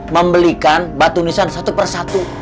membelikan batu nisan satu persatu